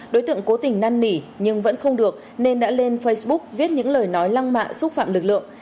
đối tượng cố tình năn nỉ nhưng vẫn không được nên đã lên facebook viết những lời nói lăng mạ xúc phạm lực lượng